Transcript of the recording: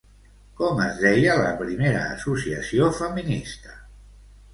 Com es deia la primera associació feminista?